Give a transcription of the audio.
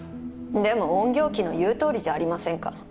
でも隠形鬼の言うとおりじゃありませんか